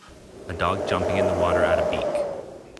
A dog jumping in the water at a beack.